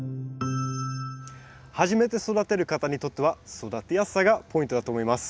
初めて育てる方にとっては育てやすさがポイントだと思います。